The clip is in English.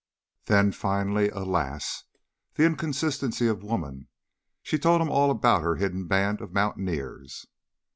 Then, finally, alas! the inconsistency of woman! she told him all about her hidden band of mountaineers.